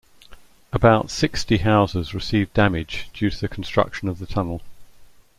About sixty houses received damage due to the construction of the tunnel.